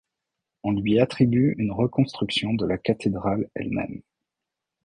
On lui attribue une reconstruction de la cathédrale elle-même.